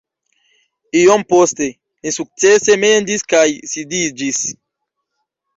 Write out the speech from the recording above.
Iom poste, ni sukcese mendis kaj sidiĝis